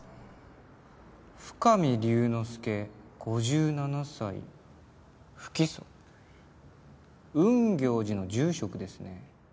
「深見龍之介５７歳」「不起訴」雲行寺の住職ですね。